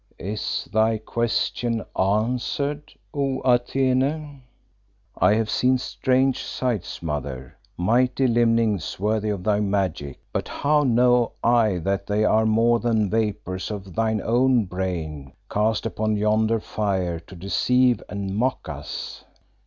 "Is thy question answered, O Atene?" "I have seen strange sights, Mother, mighty limnings worthy of thy magic, but how know I that they are more than vapours of thine own brain cast upon yonder fire to deceive and mock us?"